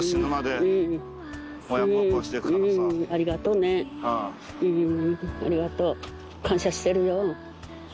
うんありがとう。感謝してるよ。